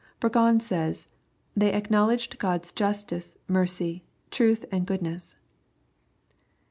Burgon says, " They acknowledged God's justice, mercy, truth and goodness."